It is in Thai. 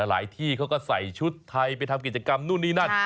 ที่เขาก็ใส่ชุดไทยไปทำกิจกรรมนู่นนี่นั่น